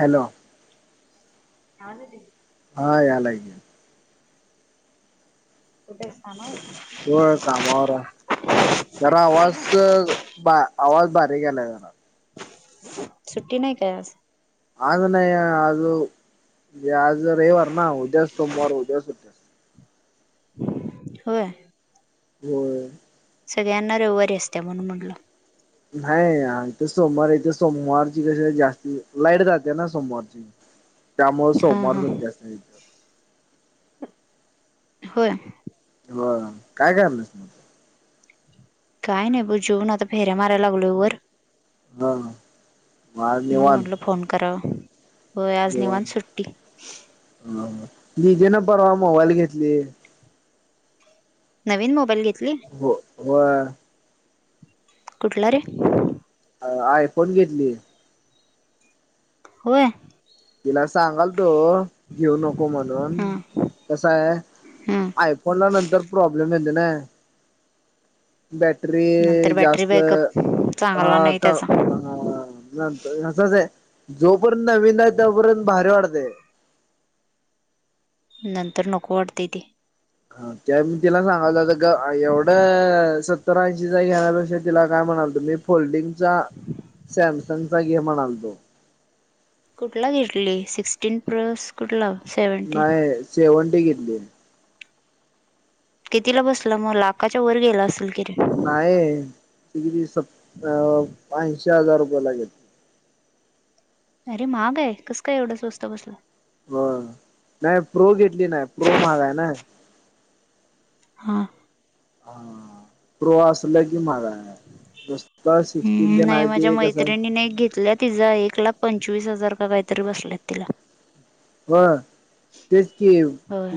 Hello. आले ते. हा याएलाय की. कुठेस कामावर. होय कामावर ये, आज जरा सुट्टी ना? आवाज- आवाज बारीक यायलाय जरा. सुट्टी नाही काय आज? आज नाही आज म्हणजे आज रविवार ना उद्या सोमवार उद्या सुट्टी. असते होय. होय. सगळ्यांना रविवारी असते म्हणून म्हटलं. नाही इथ सोमवार इथे सोमवारची कशी जास्ती लाईट जाते ना सोमवारची. त्यामुळे हा सोमवार हा सुट्टी असते. इथे होय. होय, काय करायलास मं? काही नाही बघ जेवून आता फेऱ्या मारायला लागलो वर. हा मग आज म्हणून निवांत म्हटलं फोन कराव, होय आज निवांत सुट्टी. [inaudible] दीदी न परवा मोबाईल घेतली. नवीन मोबाईल घेत हो, व्हय. कुठला रे? अ आयफोन घेतली. होय तिला सांगालतो घेऊ नको म्हणून, हा कसाय हा आय फो फोनला नंतर प्रॉब्लेम येतय ना. बॅटरी, नंतर बॅटरी जास्त बॅकअप हा चांगला नाही का त्याचा हा नंतर असंच आहे जोपर्यंत नवीन आहे तोपर्यंत भारी वाटते नंतर नको वाटतय ते. हा त्या मी तिला सांगालं ग, एवढं सत्तर ऐंशीचा घेण्यापेक्षा तिला काय म्हणालतो मी फोल्डिंगचा सॅमसंगचा घे म्हणालतो. कुठला घेेतली, सिक्सटीन प्लस कुठला सेवन नाही, सेवनटी घेतली कितीला बसला मग, लाखाच्या वर गेला असेल कि रे. नाही, ते किती सत्त अ ऐंशी हजार रुपये लागलेत. अरे महाग आहे, कसं काय एवढं स्वस्तं बसला? हो, नाही प्रो घेतली नाय प्रो महाग आहे ना. हा हा, प्रो असला की महागाय. हम्म, नाही माझ्या ते कसं आहे मैत्रिणीने एक घेतला तिचा एक एक लाख पंचवीस हजार का काहीतरी बसल्यात तिला. होय, तेच की होय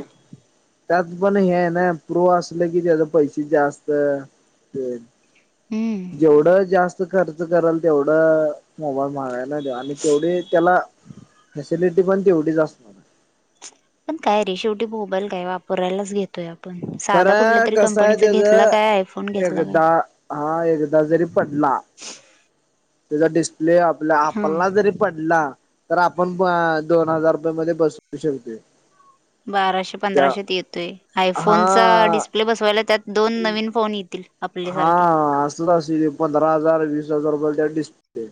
त्यात पण हे ना प्रो असल की त्याचं पैसे जास्त हे हम्म जेवढं जास्त खर्च कराल तेवढं मोबाईल महाग हाय ना तो, आणि तेवढी त्याला फॅसिलिटी पण तेवढीच अस पण काय रे शेवटी मोबाईल काय वापरायलाच घेत तोय आपण साधा कुठल्या खरं तरी कसं आहे कंपनीचा घेतला त्याच काय आयफोन घेतला काय एकदा हा एकदा जरी पडला त्याचा डिस्प्ले, आपल्या हा आपला जरी पडला तर आपण दोन हजार रुपये मध्ये बस विषय हुतंय. बाराशे, पंधराशेत येतोय आयफोनचा हा डिस्प्ले बसवायला त्यात दोन नवीन फोन येतील. हा आपल्यासारखे असत अस पंधरा हजार, वीस हजार रुपये त्या डिस्प्ले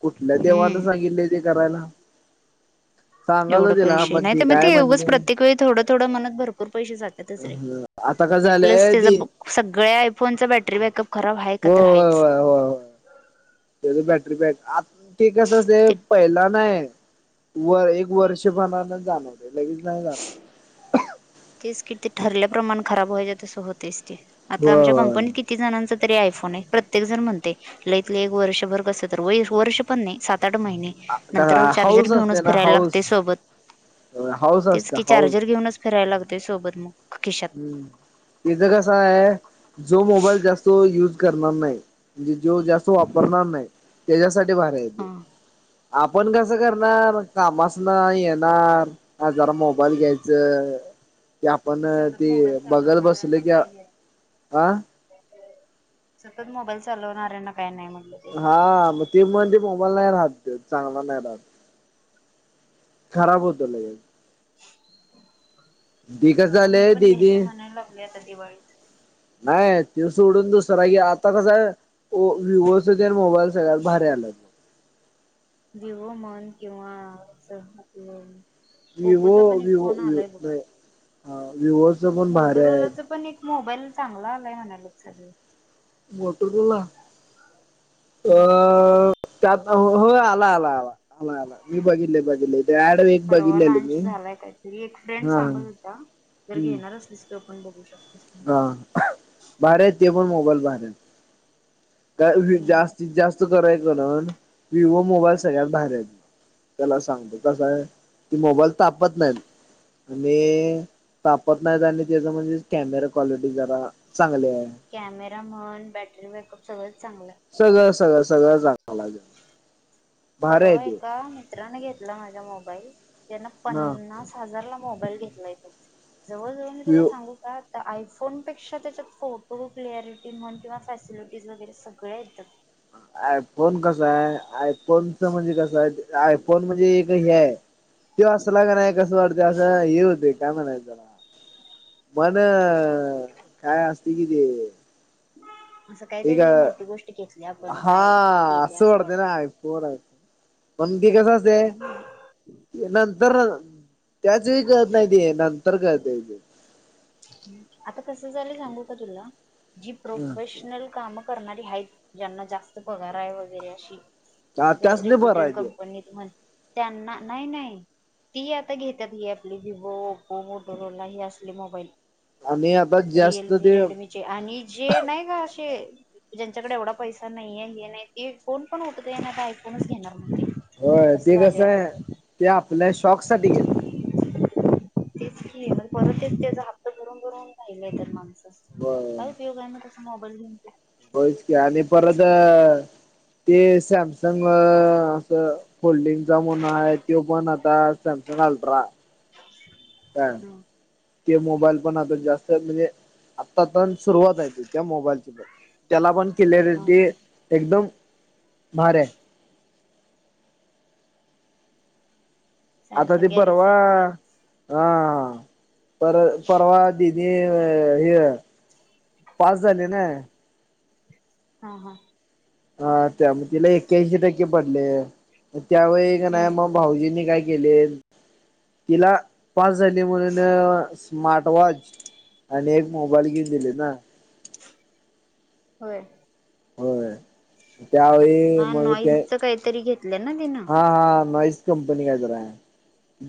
कुठल्या देवान हम्म सांगितलय ते करायला? सांगाल एवढं तिला पैसेे नाही ती तर मग काय ते म्हणली उगच प्रत्येक वेळी थोडं थोडं म्हणत, भरपूर पैसे जात्यातच रे. आता कस आणि प्लस झालंय ती त्याचा सगळ्या आयफोनचा बॅटरी बॅकअप खराब आहे का, हो तर होय आहेच. होय होय होय त्याच बॅटरी बॅक आ. कस ते पहिला नाय? वर एक वर्षपणान जाणवते लगेच नाही जाणवत. तेच किट ते ठरल्याप्रमान खराब व्हायचे, तसं होतेच ते आता होय आमच्या होय कंपनीत किती किती जणांच तरी आयफोन आहे, प्रत्येक जण म्हणते लईत लई एक वर्षभर कसं तर,. वर्ष पण नाही सात आठ महिने नंतर चार्जर हाऊस घेऊनच फिरायला लागतय सोबत होय हाऊस तेच असत की, हाऊस चार्जर घेऊनच फिरायला लागतोय सोबत मग याचा कस हाय, जो मोबाईल जास्त युज करणार नाही म्हणजे जो जास्त वापरणार नाही. तेच्यासाठी बाहेर येत हा आपण कसं करणार कामास न येणार हा जरा मोबाईल घ्यायचं ते आपन सतत ते मोबाईल बघत चालवणाऱ्यांना बसले की, काही सतत मोबाईल चालवणार्यांना काही नाही म्हटलं. ते हा मग ते म्हण ते मोबाईल नाही राहात, चांगला नाही राहात. खराब होतो लगेच. ते कसं बघू, मी झालंय पण दीदी घ्यायचं म्हणाय लागलोय आता दिवाळीत. नाही त्यो सोडून दुसरा घ्या, आता कसं हाय वो विवोच तेन मोबाईल सगळ्यात भारी आल्यात. विवो म्हन किंवा अस आपलं विवो, ओप्पोचा पण एक विवो फोन विवो आलाय बघ. नाही, हा विवोच पण भारी आहेत. मोटोरोलाचा पण एक मोबाईल चांगला आलाय म्हणालेत सगळी. मो टो जुना आ. अ त्यात हो आला, आला, आला, आला, आला. मी बघितलय, बघितलय. डॅड विथ परवा लांच झालाय काय तरी, एक फ्रेंड हा सांगत हम्म होता, जर घेणार असलीस तो पण बघू शकतेस. हा भारी आहेत, ते पण मोबाईल भारी आहेत. कारण जास्तीत जास्त करायच करण, विवो मोबाईल सगळ्यात भारी हायित. चला सांगतो कस हाय, ती मोबाईल तापत नाहीत. आणि तापत नाहीत आणि त्याच म्हणजे कॅमेरा क्वालिटी जरा चांगली हाय. कॅमेरा म्हण, बॅटरी बॅकअप सगळंच चांगलं हाय. सगळं सगळं सगळं सगळ सांगालोय. परवा एका मित्राने घेतला माझा मोबाईल, त्यान ना पन्नास हजारला मोबाईल घेतला, जवळ जवळ मी तुला व्ह्यू सांगु त्यात आता आयफोनपेक्षा त्याच्यात फोटो क्लिॲरिटी म्हण किंवा फॅसिलिटीज वगैरे सगळे येतात. आयफोन कसा हाय, आयफोनच म्हणजे कस हाय, आयफोन म्हणजे एक ते हाय, असला का नाही, कसं वाटत असं हे होतय. काय म्हणायच त्याला, पण काय असते कि ते असं काय एक तरी लई मोठी गोष्ट घेतल्या आपण हाय केली असं वाटत. आय फोन, आय फोन ते कस असतय, नंतर त्याच वेळी कळत नाही ते, नंतर कळतय ते. आता कस झालय सांगू का तुला? जी प्रोफेशनल काम करणारी हायीत, ज्यांना जास्त पगार हाय वगैरे अशी एका त्यासनी बरं रेप्युटेड आहे ते कंपनीत म्हण, त्यांना नाही, नाही ती आता घेतात ही आपली विवो ओप्पो मोटोरोोला हे असले मोबाईल. आणि आता जास्त रियलमी ते रेडमीचे आणि जे नाही का असे. ज्यांच्याकडे एवढा पैसा नाहीये हे नाही ते फोन पण उचलत ना का आयफोनच घेणार म्हणते, होय तसं ते झाले कसं आता आहे ते आपल्या शॉक साठी घेतले तेच नाही पण परतच त्याचा हात्त भरून भरून राहिलंय तर माणसं, घेतात काय उपयोग आहे ना तस मोबाईल घेऊन. बचक आणि परत ते सॅमसंग असं होल्डिंगचा म्हण आहे तो पण आता सॅमसंग अल्ट्रा [inaudible] का ह ते मोबाईल पण आता म्हणजे आता, आता सुरुवात हे त्या मोबाईलची त्याला पण क्लरिटी ह एकदम मरे.. आता ते सॅमसंग गॅलेक्सी परवा हा पर परवा दि ते हे पास झाले ना, हा. हा.. हा त्या मग तिला एक्क्याऐंशी टक्के पडले त्यावेळी का नाही हम्म मग, भाऊजीनी काय केले तिला पास झाली म्हणून, स्मार्ट वॉच आणि एक मोबाईल घेऊन दिले ना, होय. होय त्यावेळी हा मग ते नॉईसच काहीतरी घेतलं ना तिनं हा, हा नाही. कंपनी काय जरा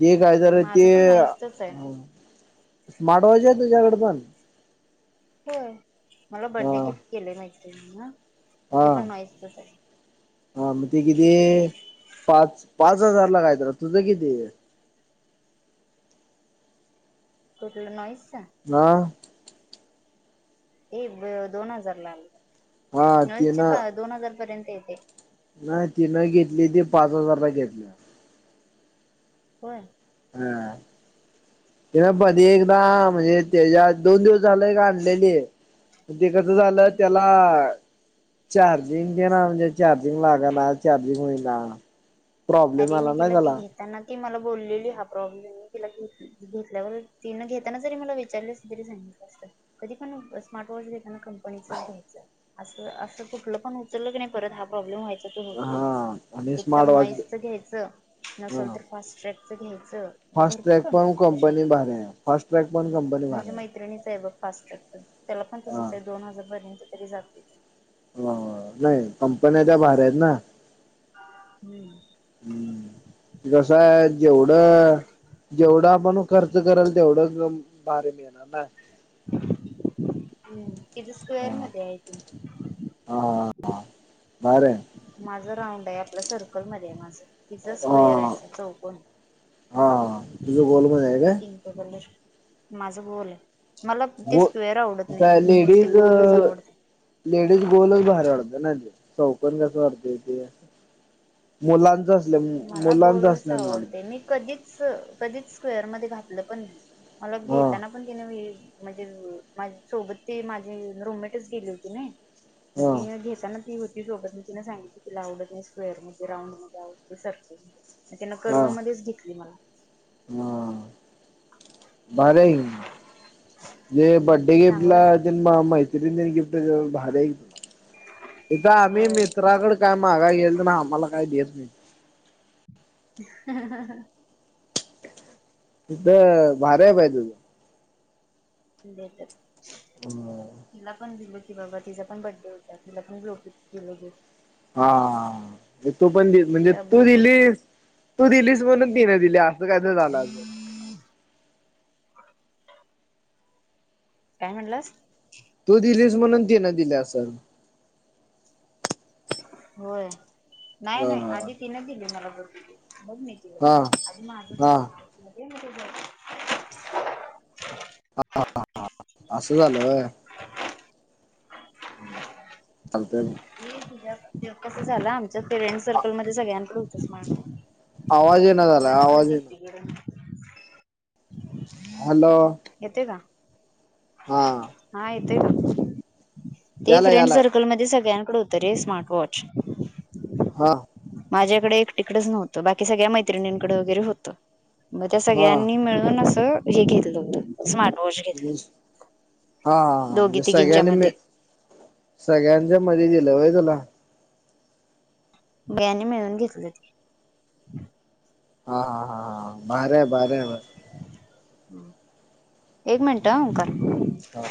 ज काय जरा ते, माझं पण नॉईसचच आहे माडवाज तुयाकडडे पण, होय मला हा बड्डे गिफ्ट केले माते ना हा ते पण माहित नसायचं. हा मग ते किती पाच पाच हजार ला कायत तुझं किती? हे कुठलं नाहीई सा, हा.. हे दोन हजार ला हा नाल चे तिनं दोन हजार पर्यंत येते. नाही तिनं घेतली ती पाच हजार घेतला. होय.. हा ते पधी एकदा म्हणजे, त्याच्यात दोन दिवस झालय का आणलेलीण ते कसं झालं त्याला, चार्जिंग ज ना म्हणजे चार्जिंग लागा ना चार्जिंग होई ना, अरे मी तिला ते त्याला घेत. त्यांना ती मला बोललेली हा प्रॉब्लेम आहे. तिला घेत घेतल्यावर घेताना जरी मला विचारली असली तरी सांगितल. कधी पण स्मार्ट वॉच. कंपनीच घ्यायच अस अस कुठ पण उतलं की नाही, परत हा प्रॉब्लेम व्हायचा त होतो हा आणि एक तर स्मार्ट वॉच नॉईस, घ्यायच नसल तर फास् ट्रॅकचं घ्यायचं. आता फस्ट भरपूर ट्रॅक पण तशा कंपनी भारी फस् ट्रॅक पण कंपनी भारी आहे. पास करत्यात त्याला पण हा तसच आहे दोन हजारपर्यंत तरी जाते. हो नाही कंपन्या त्या भारी आहेत ना, [unintelligible] हम्म कसं हाय जेवढ, जेवढा आपण खर्च करल तेवढं भारी मिळणार ना, हम्म किती स्क्वेअर मध्ये आहे. हा हा भारी आहे. माझं राऊंड आहे आपल्या सर्कलमध्ये माझ तिचं स्क्वेअर आहे हा असं चौकण. हा तुझं गोल मध्ये आहे काय. पिंक कलर माझं गोल आहे. मला ते गो स्क्वेर आवडत काय नाही, ते लेडीज गोलच आवडतं ‌. लेडीज गोलच भारी वाटत नाय ते चौकन कसं वाटतेय ते, मुलांच असल्या मला मुलांच गोलच असल्या वाणी वाटतंय आवडते मी कधीच कधीच स्क्वेअर मध्ये घातलं पण मला हा घेताना पण तिने व म्हणजे माझी सोबत ती माझी रूममेटच गेली होती ना, मग हा ती घेताना ती होती सोबत मी ति सांगितली तिला आवडत नाही स्क्वेअर म राऊंड मध्ये आवडत. ते सर्कल हा कर्व मध्येच घेतली मला. हा भारी आहे की म्हणजे बड्डे चांगलं आहे गिफ्टला- मैत्रिण गिफ्ट देतात म भारी आहे की, इथ आम्ही होय मित्राकड काय मागाय गेल तर ना आम्हाला काय देत नाही. हा हा हा इथं भारी आहे बाय तुझ. देत्यात हा [inaudible] तिला पण दिल की बाबा तिचा पण बड्डे होता तिला पण [unintelligible] दिलो की हा तू पण म्हणजे त्या तू ब्लूटूथ दिलीस तू दिलीस म्हणून तिनं दिली. अस काय तर झालं असलं. [inaudible] काय म्हणलास. तू दिलीस म्हणून तिनं दिली असलं. होय नाही हा नाही आधी तिने दिली मला बघ मग मी. दिल हा हा आणि माझं हा झालं आ मग [inaudible] हा हा हा अस झालं वय. चालतंय मग ते कस झालं आमच्या फ्रेंड सर्कल मध्ये सगळ्यांकडे होतंच स्मार्ट आवाज येईना झालाय आवाज माझ्याकडच येईना एकटी कड नव्हतं हॅलो! येतोय का हा हा येतोय का? ते यालाय फ्रेंड यालाय सर्कलमध्ये सगळ्यांकडे होतं रे स्मार्ट वॉच. हा माझ्याकडे एकटिकडच नवत बाकी सगळ्या मैत्रिणींकडें वगैरे होतं. मग त्या हा हा सगळ्यांनी मिळून असं हे घेतलं होत स्मार्ट वॉच. घेतलं हा हा दोघी म्हणजे तिघींच्या सगळ्यांनी मध्ये. मिळून सगळ्यांच्या मध्ये दिल होय तुला. सगळ्यांनी मिळून घेतलं ते, हा हा हा हा भारी हाय भारी हाय एक मिनट हा ओमकार. हा